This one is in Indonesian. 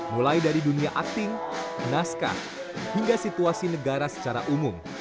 mulai dari dunia akting naskah hingga situasi negara secara umum